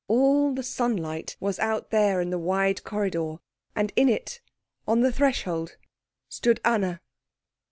All the sunlight was out there in the wide corridor, and in it, on the threshold, stood Anna.